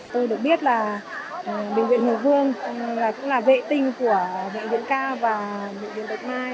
tôi được biết là bệnh viện hùng vương cũng là vệ tinh của bệnh viện ca và bệnh viện bạch mai